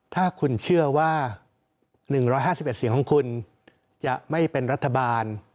ถ้าคุณเชื่อว่า๑๕๑เสียงของคุณจะไม่เป็นรัฐบาล